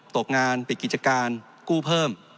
ตกงานปิดกิจการกู้เพิ่ม